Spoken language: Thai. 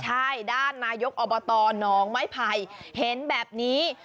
ใช่ด้านนายกอบตน้องไม้ไผ่เห็นแบบนี้